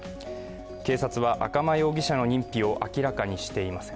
警察は赤間容疑者の認否を明らかにしていません。